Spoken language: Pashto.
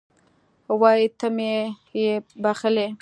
وایي ته مې یې بښلی